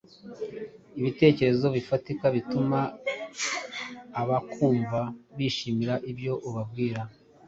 ibitekerezo bifatika bituma abakumva bishimira ibyo ubabwira